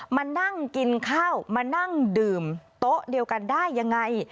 มานั่งกินข้าวมานั่งดื่มโต๊ะเดียวกันได้ยังไง